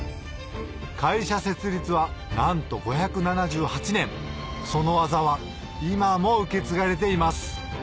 会社設立はなんと５７８年その技は今も受け継がれています